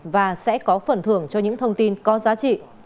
và sẽ có phần thưởng cho những thông tin có giá trị